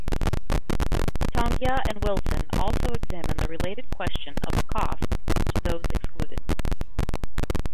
Tongia and Wilson also examine the related question of the costs to those excluded.